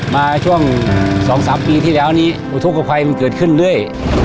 มาช่วง๒๓ปีที่แล้วนี้อุทุกข์กระไฟมันเกิดขึ้นเลย